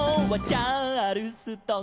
「チャールストン」